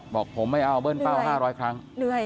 บอกผมไม่เอาเบิ้ลเป้า๕๐๐ครั้ง